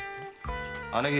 姉貴。